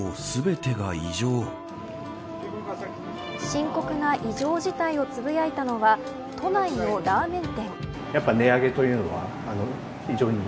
深刻な異常事態をつぶやいたのは都内のラーメン店。